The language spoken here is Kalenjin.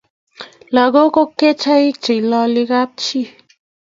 langok ko kecheik cheilali kap chii